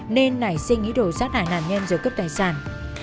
nên nảy sinh ý đồ sát hại nạn nhân giữa cấp tài sản